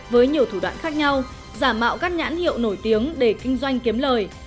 với nhiều thủ đoạn khác nhau giả mạo các nhãn hiệu nổi tiếng để kinh doanh kiếm lời